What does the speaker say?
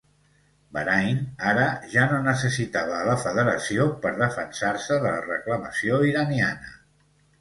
Bahrain ara ja no necessitava a la Federació per defensar-se de la reclamació iraniana.